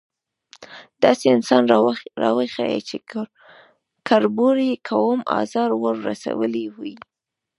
_داسې انسان راوښيه چې کربوړي کوم ازار ور رسولی وي؟